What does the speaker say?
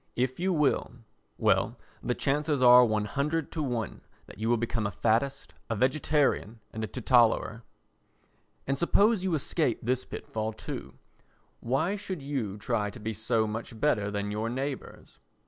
If you will—well, the chances are 100 to 1 that you will become a faddist, a vegetarian and a teetotaller. And suppose you escape this pit fall too. Why should you try to be so much better than your neighbours?